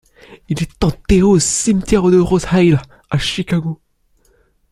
Il est enterré au cimetière de Rosehill, à Chicago.